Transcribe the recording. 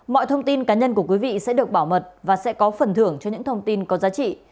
mọi thông tin cá nhân của quý vị sẽ được bảo mật và sẽ có phần thưởng cho những thông tin có giá trị